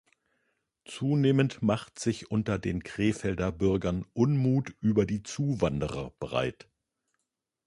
Zunehmend machte sich unter den Krefelder Bürgern Unmut über die Zuwanderer breit.